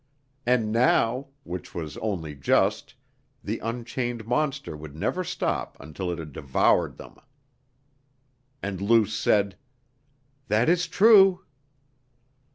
And now (which was only just) the unchained monster would never stop until it had devoured them. And Luce said: "That is true."